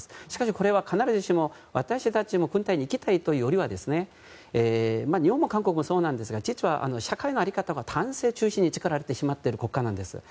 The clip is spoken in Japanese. しかし、これは必ずしも私たちも軍隊に行きたいというよりは日本も韓国もそうなんですが実は社会の在り方が男性中心に力を作られてしまっている国家なんです。